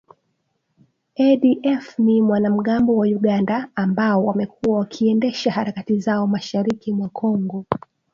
ADF ni wanamgambo wa Uganda ambao wamekuwa wakiendesha harakati zao mashariki mwa Kongo